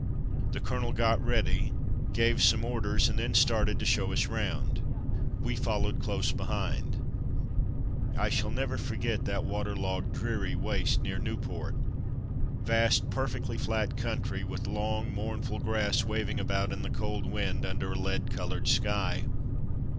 The colonel got ready, gave some orders, and then started to show us round. We followed close behind. 168 From Mud to Mufti I shall never forget that water logged, dreary waste near Nieu port. Vast, perfectly flat country, with long, mourn ful grass wav ing about in the cold wind under a lead coloured sky.